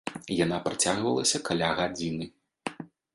Яна працягвалася каля гадзіны.